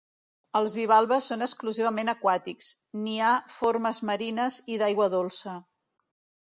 Els bivalves són exclusivament aquàtics; n'hi ha formes marines i d'aigua dolça.